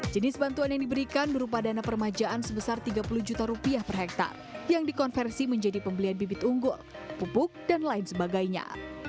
jenis bantuan yang diberikan berupa dana permajaan sebesar tiga puluh juta rupiah per hektare yang dikonversi menjadi pembelian bibit unggul pupuk dan lain sebagainya